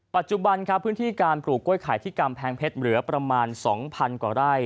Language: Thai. ปัจจุบันครับพื้นที่การปลูกกล้วยไข่ที่กำแพงเพชรเหลือประมาณ๒๐๐๐กว่าไร่